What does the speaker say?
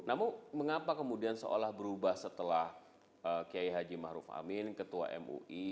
namun mengapa kemudian seolah berubah setelah kiai haji ma'ruf amin ketua mui